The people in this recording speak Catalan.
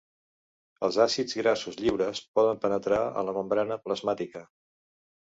Els àcids grassos lliures poden penetrar a la membrana plasmàtica.